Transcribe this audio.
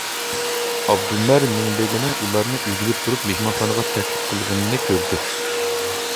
ئابدۇمەر مىڭبېگىنىڭ ئۇلارنى ئېگىلىپ تۇرۇپ مېھمانخانىغا تەكلىپ قىلغىنىنى كۆردى.